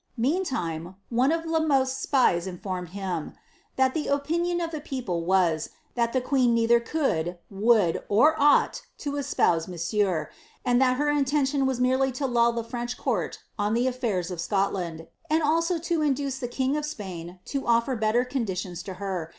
Meantime, oiie of La Mothers spies informed him, "that the opinion of lhe people was, that the queen neither could, would, or ought to espouse mousieur, and that her inleo' tion was merely to lull the French court on the affiiirs of Scotland, and also to induce the king of Spain to offer belter conditions to her.